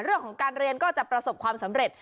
เรื่องของการเรียนก็จะประสบความสำเร็จ